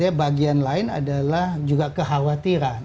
ggedian lain adalah juga kekhawatiran